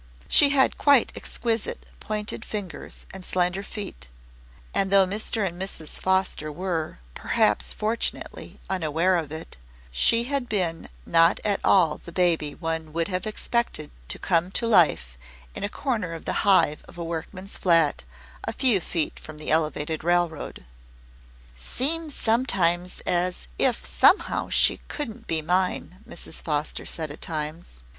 She had exquisite pointed fingers and slender feet, and though Mr. and Mrs. Foster were perhaps fortunately unaware of it, she had been not at all the baby one would have expected to come to life in a corner of the hive of a workman's flat a few feet from the Elevated Railroad. "Seems sometimes as if somehow she couldn't be mine," Mrs. Foster said at times.